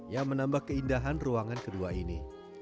yang menambah keindahan ruangan kedua ini